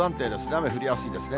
雨降りやすいですね。